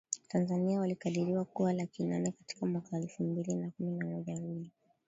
Tanzania walikadiriwa kuwa laki nane katika mwaka elfu mbili na kumi na moja mbili